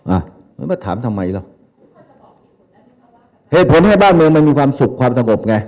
อ่ะแล้วมาถามทำไมล่ะเหตุผลให้บ้านเมืองมันมีความสุขความสงบไง